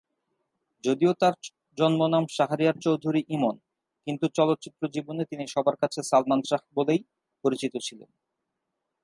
যদিও তার জন্মনাম শাহরিয়ার চৌধুরী ইমন, কিন্তু চলচ্চিত্র জীবনে তিনি সবার কাছে সালমান শাহ বলেই পরিচিত ছিলেন।